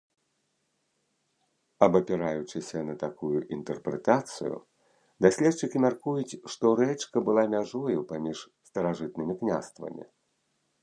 Абапіраючыся на такую інтэрпрэтацыю, даследчыкі мяркуюць, што рэчка была мяжою паміж старажытнымі княствамі.